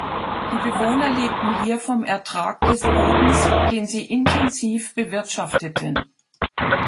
Die Bewohner lebten hier vom Ertrag des Bodens, den sie intensiv bewirtschafteten.